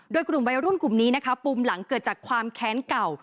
โดยกลุ่มวัยรุ่นกลุ่มนี้นะคะปุ่มหลังเกิดจากความแค้นเก่า